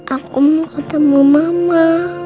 aku mau ketemu mama